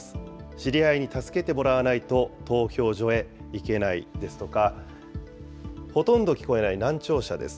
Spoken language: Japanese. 知り合いに助けてもらわないと投票所へ行けないですとか、ほとんど聞こえない難聴者です。